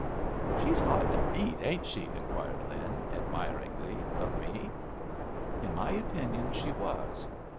"She's hard to beat, ain't she?" inquired Lin, admiringly, of me. In my opinion she was.